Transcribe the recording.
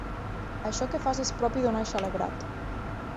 Això que fas és propi d'un eixelebrat.